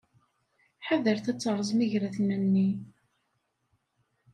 Ḥadret ad terrẓem igraten-nni.